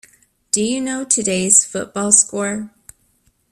Do you know today's football score?